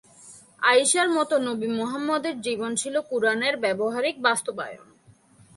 আয়িশার মতে নবী মুহাম্মদের জীবন ছিল কুরআনের ব্যবহারিক বাস্তবায়ন।